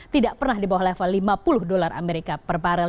tidak pernah di bawah level lima puluh dolar amerika per barrel